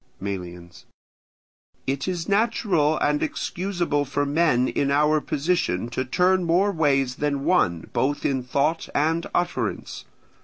Melians. It is natural and excusable for men in our position to turn more ways than one both in thought and utterance.